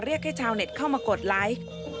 เรียกให้ชาวเน็ตเข้ามากดไลค์